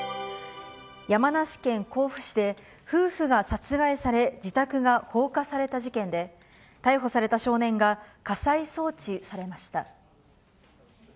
山梨県甲府市で、夫婦が殺害され、自宅が放火された事件で、逮捕された少年が、家裁送致されました。